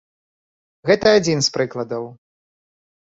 Гэта адзін з прыкладаў.